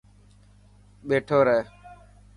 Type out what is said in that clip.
ٻيٺو رهه.